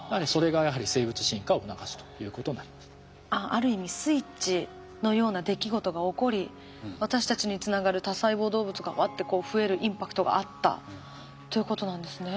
ある意味スイッチのような出来事が起こり私たちにつながる多細胞動物がワッてこう増えるインパクトがあったということなんですね。